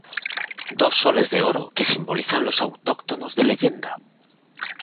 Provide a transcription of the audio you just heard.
Dos soles de Oro que simbolizan los autóctonos de leyenda.